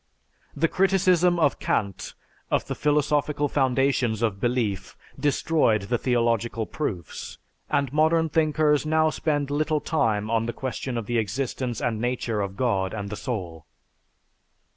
The criticism of Kant of the philosophical foundations of belief destroyed the "theological proofs," and modern thinkers now spend little time on the question of the existence and nature of God and the soul.